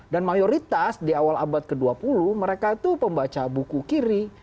dan mayoritas di awal abad ke dua puluh mereka itu pembaca buku kiri